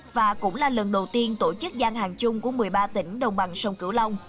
và cũng là lần đầu tiên tổ chức gian hàng chung của một mươi ba tỉnh đồng bằng sông cửu long